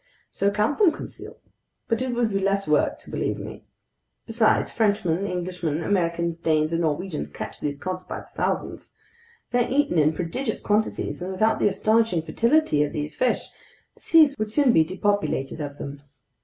"So count them, Conseil. But it would be less work to believe me. Besides, Frenchmen, Englishmen, Americans, Danes, and Norwegians catch these cod by the thousands. They're eaten in prodigious quantities, and without the astonishing fertility of these fish, the seas would soon be depopulated of them.